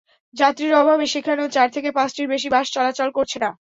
যাত্রীর অভাবে সেখানেও চার থেকে পাঁচটির বেশি বাস চলাচল করছে না।